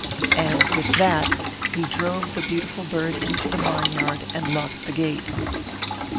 And with that he drove the beautiful bird into the barnyard, and locked the gate.